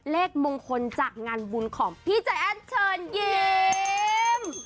เลขมงคลจากงานบุญของพี่ใจแอ้นเชิญยิ้ม